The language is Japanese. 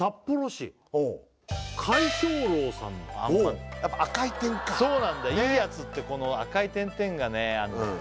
皆招楼さんのあんまんやっぱ赤い点かそうなんだよいいやつってこの赤い点々がねあるんだよね